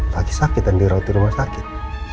lagi sakit dan dirawat di rumah sakit